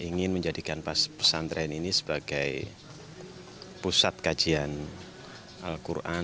ingin menjadikan pesantren ini sebagai pusat kajian al quran